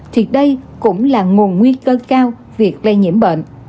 thì đây cũng là nguồn nguy cơ cao việc lây nhiễm bệnh